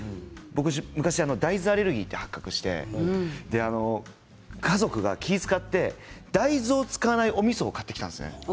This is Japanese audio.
昔、大豆アレルギーが発覚して家族が気を遣って大豆を使わないおみそを買ってきたんです。